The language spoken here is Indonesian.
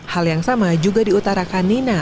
hal yang sama juga diutarakan nina